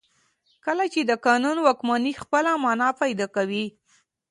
کله چې د قانون واکمني خپله معنا پیدا کوي.